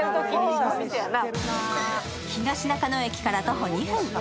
東中野駅から徒歩２分。